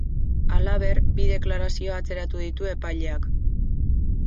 Halaber, bi deklarazio atzeratu ditu epaileak.